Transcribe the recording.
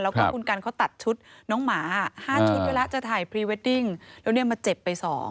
แล้วก็คุณกันเขาตัดชุดน้องหมา๕ชุดเวลาจะถ่ายพรีเวดดิ้งแล้วเนี่ยมาเจ็บไป๒